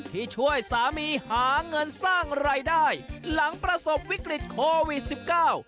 ที่ช่วยสามีหาเงินสร้างรายได้หลังประสบวิกฤตโควิดสิบเก้า